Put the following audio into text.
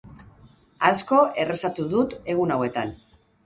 Asko errezatu dut egun hauetan.